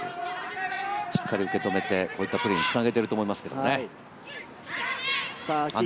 しっかり受け止めて、こういったプレーにつなげていると思いますね。